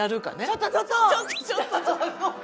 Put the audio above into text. ちょっとちょっと。